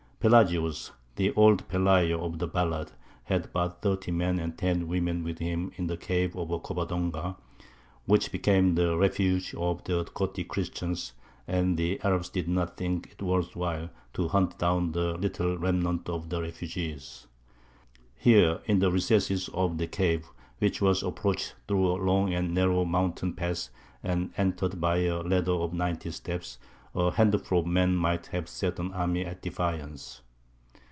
Pelagius, the "old Pelayo" of the ballad, had but thirty men and ten women with him in the cave of Covadonga, which became the refuge of the Gothic Christians; and the Arabs did not think it worth while to hunt down the little remnant of refugees. Here, in the recesses of the cave, which was approached through a long and narrow mountain pass, and entered by a ladder of ninety steps, a handful of men might have set an army at defiance.